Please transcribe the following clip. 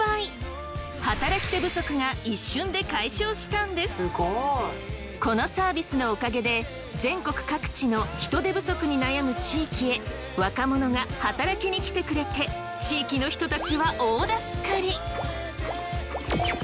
なんとこのサービスのおかげで全国各地の人手不足に悩む地域へ若者が働きに来てくれて地域の人たちは大助かり！